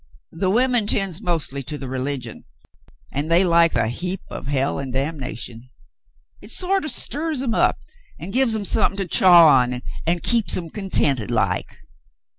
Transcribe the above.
The women tends mostly to the re ligion, an' they likes a heap o' hell 'n' damnation. Hit sorter stirs 'em up an' gives 'em somethin' to chaw on, an' keeps 'em contented like.